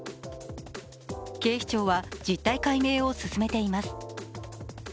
警視庁は実態解明を進めています。